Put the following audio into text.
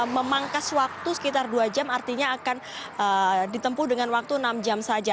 memangkas waktu sekitar dua jam artinya akan ditempuh dengan waktu enam jam saja